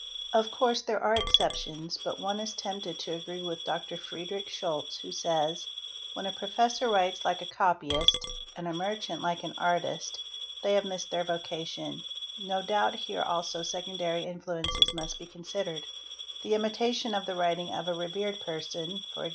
| Of course there are exceptions but one is tempted to agree with Dr. Frederic Scholz who says '' When a professor writes like a copyist — and a merchant like an:artist they have missed their vocation"; no doubt here also secondary influences must be considered: the imitation of the writing of a revered person, e.g.